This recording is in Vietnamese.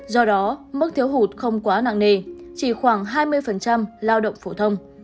do đó mức thiếu hụt không quá nặng nề chỉ khoảng hai mươi lao động phổ thông